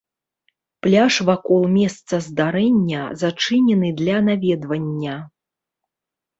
Пляж вакол месца здарэння зачынены для наведвання.